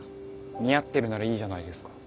似合ってるならいいじゃないですか。